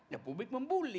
ya publik membuli